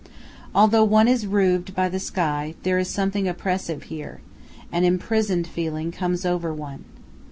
Although one is roofed by the sky, there is something oppressive here; an imprisoned feeling comes over one.